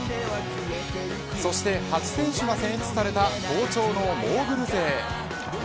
そして８選手が選出された好調のモーグル勢。